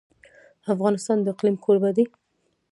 افغانستان د اقلیم کوربه دی.